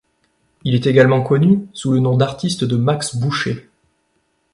Il est également connu sous le nom d'artiste de Max Boucher.